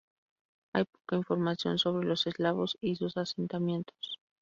Hay poca información sobre los eslavos y sus asentamientos.